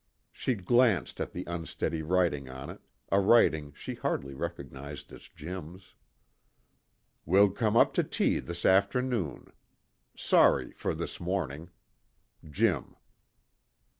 She glanced at the unsteady writing on it, a writing she hardly recognized as Jim's. "Will come up to tea this afternoon. Sorry for this morning. JIM."